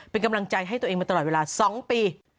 เป็นกำลังใจให้ตัวเองมาตลอดเวลา๒ปี